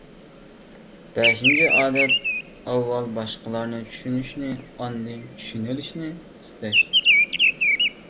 بەشىنچى ئادەت، ئاۋۋال باشقىلارنى چۈشىنىشنى، ئاندىن چۈشىنىلىشنى ئىستەش.